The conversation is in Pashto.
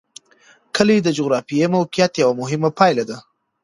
کلي د جغرافیایي موقیعت یوه مهمه پایله ده.